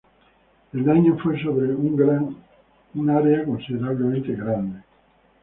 El daño fue sobre un área considerablemente grande.